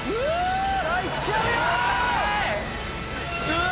うわ！